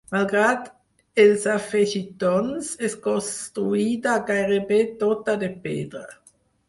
Malgrat els afegitons, és construïda gairebé tota de pedra.